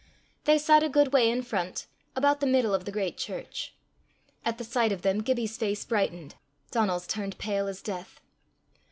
They sat a good way in front, about the middle of the great church. At the sight of them Gibbie's face brightened, Donal's turned pale as death.